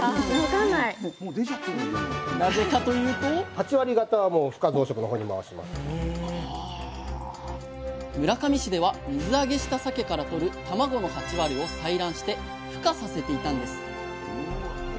なぜかというと村上市では水揚げしたさけからとる卵の８割を採卵してふ化させていたんです。